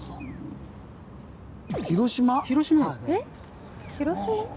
えっ広島？